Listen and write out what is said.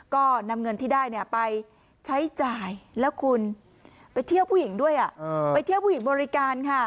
ก็นำเงินที่ได้ไปใช้จ่ายแล้วคุณไปเที่ยวผู้หญิงด้วยไปเที่ยวผู้หญิงบริการค่ะ